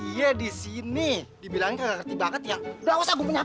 iya di sini dibilang kaget kaget ya